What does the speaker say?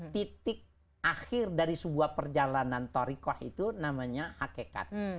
titik akhir dari sebuah perjalanan torikoh itu namanya hakikat